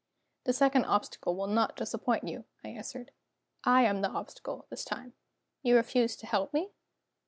"The second obstacle will not disappoint you," I answered; "I am the obstacle, this time." "You refuse to help me?"